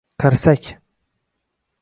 Karsak